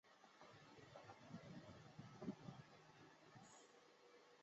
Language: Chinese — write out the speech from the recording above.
范平人。